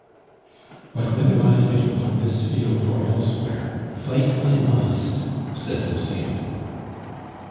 '" "But whether I fight upon this field or elsewhere, fight I must," said Lucien.